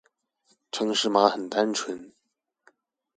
程式碼很單純